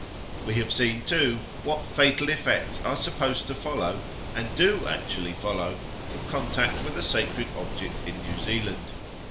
We have seen, too, what fatal effects are supposed to follow, and do actually follow, from contact with a sacred object in New Zealand.